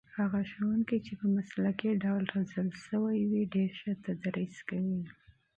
هغه ښوونکي چې په مسلکي ډول روزل شوي ډېر ښه تدریس کوي.